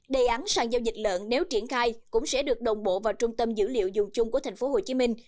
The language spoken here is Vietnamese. đề án sàn giao dịch lợn nếu triển khai cũng sẽ được đồng bộ vào trung tâm dữ liệu dùng chung của thành phố hồ chí minh